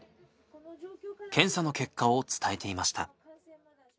検査の結果を伝えていました。